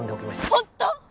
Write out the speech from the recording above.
本当！？